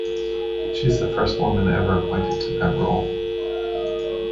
She is the first woman ever appointed to that role.